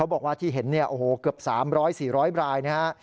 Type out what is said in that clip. เขาบอกว่าที่เห็นเนี่ยโอ้โหเกือบสามร้อยสี่ร้อยบรายนะฮะ